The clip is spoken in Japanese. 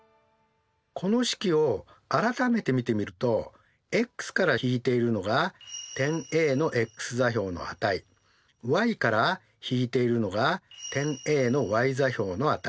この式を改めて見てみるとｘから引いているのが点Ａのｘ座標の値ｙから引いているのが点Ａのｙ座標の値。